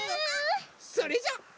それじゃあ。